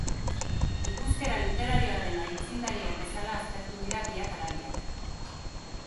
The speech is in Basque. Gipuzkera literarioaren aitzindariak bezala aztertu dira biak ala biak.